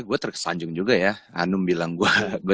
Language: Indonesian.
gue terkesanjung juga ya hanum bilang gue